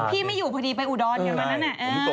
พี่ไม่อยู่พอดีไปอุดรอย่างนั้น